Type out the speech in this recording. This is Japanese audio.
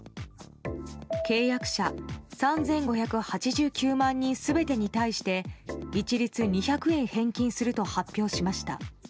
契約者３５８９万人全てに対して一律２００円返金すると発表しました。